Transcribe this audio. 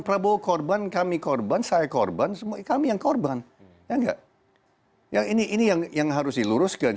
prabowo korban kami korban saya korban semua kami yang korban enggak ya ini yang harus diluruskan